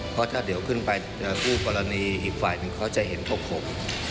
เพราะถ้าเดี๋ยวขึ้นไปคู่กรณีอีกฝ่ายหนึ่งเขาจะเห็นถกผม